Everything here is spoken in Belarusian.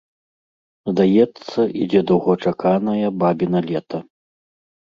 Здаецца, ідзе доўгачаканае бабіна лета.